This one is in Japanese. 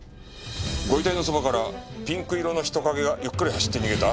ご遺体のそばからピンク色の人影がゆっくり走って逃げた？